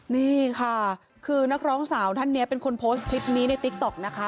นี่ค่ะคือนักร้องสาวท่านนี้เป็นคนโพสต์คลิปนี้ในติ๊กต๊อกนะคะ